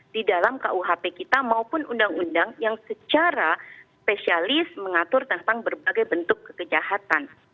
di dalam kuhp kita maupun undang undang yang secara spesialis mengatur tentang berbagai bentuk kekejahatan